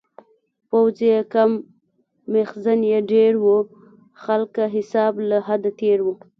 پوځ یې کم میخزن یې ډیر و-خلکه حساب له حده تېر و